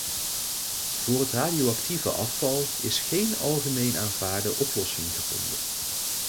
Voor het radioactieve afval is geen algemeen aanvaarde oplossing gevonden.